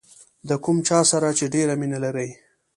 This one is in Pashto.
د کوم چا سره چې ډېره مینه لرئ.